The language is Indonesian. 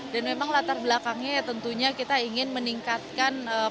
dan memang latar belakangnya ya tentunya kita ingin meningkatkan pelayanan